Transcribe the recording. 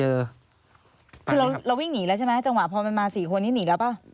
คือเราวิ่งหนีแล้วใช่ไหมจังหวะพอมันมา๔คนนี้หนีแล้วป่ะ